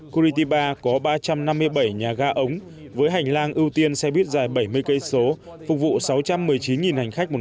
curity ba có ba trăm năm mươi bảy nhà ga ống với hành lang ưu tiên xe buýt dài bảy mươi km phục vụ sáu trăm một mươi chín hành khách